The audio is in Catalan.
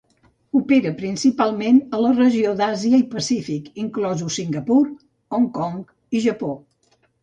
Opera principalment a la regió d'Àsia i Pacífic, inclosos Singapur, Hong Kong i Japó.